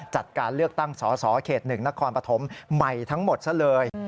จัดการเลือกตั้งสสเขต๑นครปฐมใหม่ทั้งหมดซะเลย